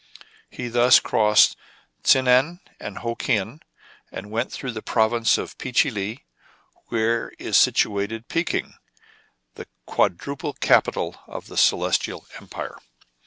Thus he crossed Tsinan and Ho Kien, and went through the province of Pe tche Lee, where is situ ated Pekin, the quadruple capital of the Celestial Empire.